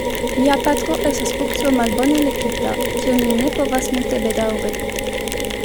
Lia patro estas urso malbone lekita, kiun li ne povas multe bedaŭri.